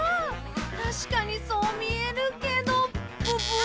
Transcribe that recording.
たしかにそうみえるけどブブー！